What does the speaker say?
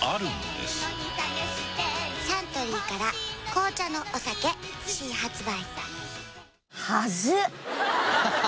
サントリーから紅茶のお酒新発売。